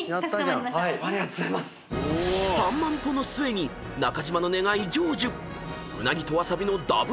［３万歩の末に中島の願い成就］